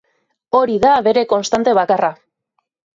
Hori da bere konstante bakarra.